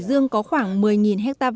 xin chào và hẹn gặp lại